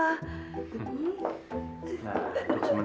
pembekal itu ini sah pnvp